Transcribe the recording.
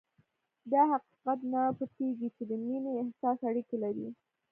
دا حقيقت نه پټېږي چې د مينې احساس اړيکې لري.